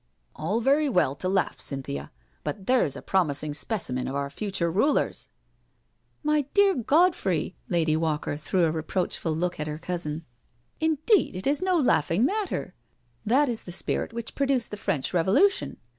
" All very well to laugh, Cynthia— but there's a promising specimen of our future rulers I " "My dear Godfrey I" Lady Walker threw a re proachful look at her cousin, " Indeed, it is no laugh ing matter — that is the spirit which produced the French Revolution.